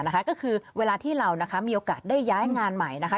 ก็คือเวลาที่เรานะคะมีโอกาสได้ย้ายงานใหม่นะคะ